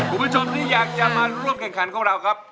คุณผู้ชมที่อยากจะมาร่วมแข่งขันของเราครับ